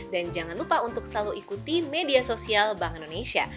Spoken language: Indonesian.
dan jangan lupa untuk selalu ikuti media sosial bank indonesia